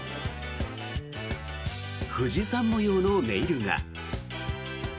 富士山模様のネイルが。